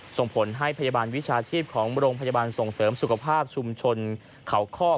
ส่งผลให้พยาบาลวิชาชีพของโรงพยาบาลส่งเสริมสุขภาพชุมชนเขาคอก